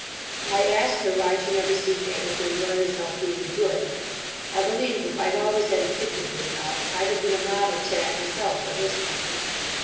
I asked her why she never seemed able to enjoy herself being good—I believe if I'd always had a kid to bring up I'd have been a model chap myself by this time.